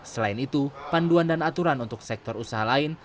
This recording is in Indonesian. selain itu panduan dan aturan untuk sektor usaha lain